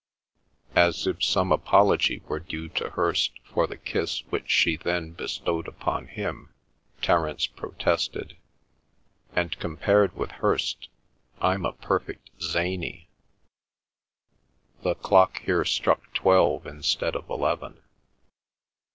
As if some apology were due to Hirst for the kiss which she then bestowed upon him, Terence protested: "And compared with Hirst I'm a perfect Zany." The clock here struck twelve instead of eleven.